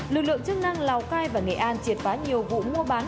lực lượng chức năng lào cai và nghệ an triệt phá nhiều vụ mua bán